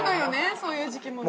そういう時期もね。